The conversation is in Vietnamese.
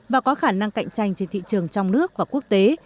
và có khả năng cạnh tranh trên thị trường trong nước và quốc tế